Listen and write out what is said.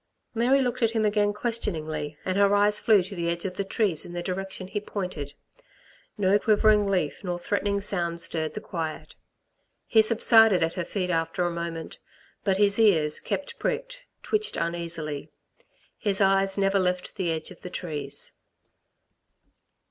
Mary looked at him again questioningly and her eyes flew to the edge of the trees in the direction he pointed. No quivering leaf nor threatening sound stirred the quiet. He subsided at her feet after a moment, but his ears, kept pricked, twitched uneasily; his eyes never left the edge of the trees.